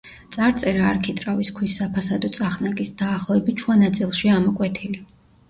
წარწერა არქიტრავის ქვის საფასადო წახნაგის, დაახლოებით, შუა ნაწილშია ამოკვეთილი.